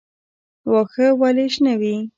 واښه ولې شنه وي؟